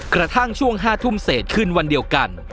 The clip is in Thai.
กระทั่งช่วง๕ทุ่มเศษขึ้นวันเดียวกัน